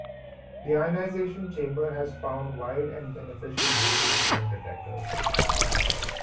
The ionization chamber has found wide and beneficial use in smoke detectors.